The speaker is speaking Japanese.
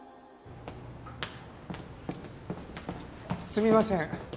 すみません。